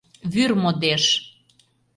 Вӱр модеш!